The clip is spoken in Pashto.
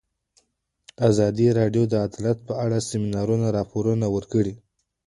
ازادي راډیو د عدالت په اړه د سیمینارونو راپورونه ورکړي.